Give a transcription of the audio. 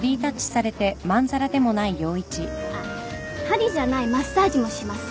あっはりじゃないマッサージもします